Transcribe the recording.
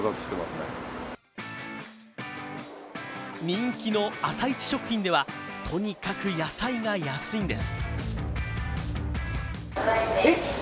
人気の朝市食品ではとにかく野菜が安いんです。